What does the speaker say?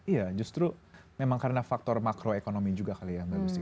iya justru memang karena faktor makroekonomi juga kali ya mbak lucy